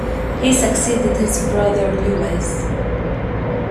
He succeeded his brother Louis.